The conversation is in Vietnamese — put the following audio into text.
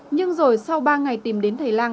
nhưng rồi sau ba ngày tìm đến thầy lang